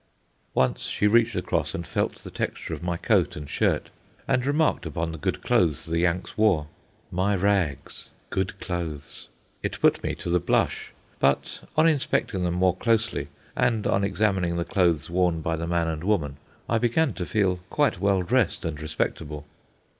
Once she reached across and felt the texture of my coat and shirt, and remarked upon the good clothes the Yanks wore. My rags good clothes! It put me to the blush; but, on inspecting them more closely and on examining the clothes worn by the man and woman, I began to feel quite well dressed and respectable.